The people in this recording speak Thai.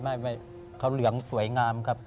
ไม่เขาเหลืองสวยงามครับ